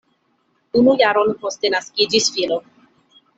Unu jaron poste naskiĝis filo.